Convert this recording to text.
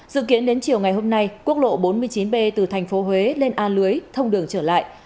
dự kiến đến chiều ngày hôm nay quốc lộ bốn mươi chín b từ thành phố huế lên a lưới thông đường trở lại